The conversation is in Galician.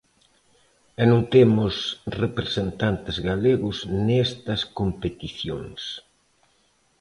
E non temos representantes galegos nestas competicións.